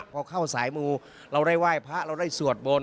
พอเข้าสายมูเราได้ไหว้พระเราได้สวดบน